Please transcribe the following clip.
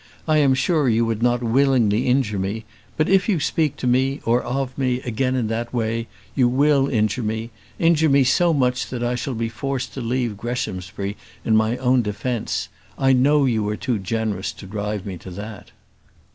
I am sure you would not willingly injure me; but if you speak to me, or of me, again in that way, you will injure me, injure me so much that I shall be forced to leave Greshamsbury in my own defence. I know you are too generous to drive me to that."